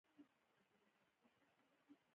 د خیاط لپاره ټوکر د کار موضوع ده.